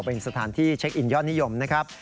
เป็นสถานที่เช็คอินยอดนิยมนะครับ